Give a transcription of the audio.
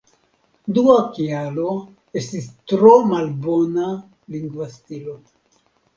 Dua kialo estis tro malbona lingva stilo.